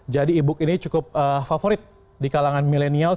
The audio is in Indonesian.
jadi e book ini cukup favorit di kalangan milenial